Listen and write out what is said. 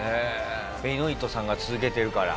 ベノイトさんが続けてるから。